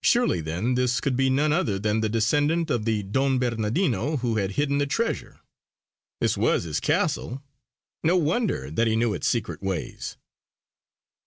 surely then this could be none other than the descendant of the Don Bernardino who had hidden the treasure. This was his castle; no wonder that he knew its secret ways.